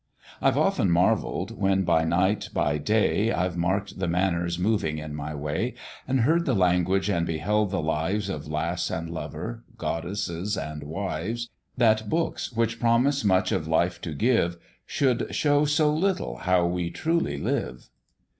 I've often marvell'd, when, by night, by day, I've mark'd the manners moving in my way, And heard the language and beheld the lives Of lass and lover, goddesses and wives, That books, which promise much of life to give, Should show so little how we truly live.